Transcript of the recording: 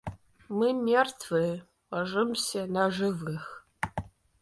— Мы мертвые, ложимся на живых.